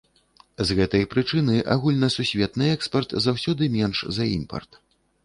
З гэтай прычыны агульнасусветны экспарт заўсёды менш за імпарт.